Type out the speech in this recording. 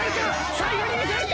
最後に見せるか？